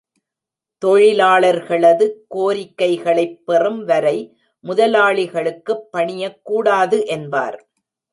தொழிலாளர்களது கோரிக்கைகளைப் பெறும் வரை முதலாளிகளுக்குப் பணியக் கூடாது என்பார்.